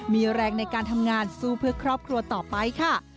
มีแรงในการทำงานสู้เพื่อครอบครัวต่อไปค่ะ